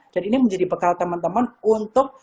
dan ini menjadi bekal teman teman untuk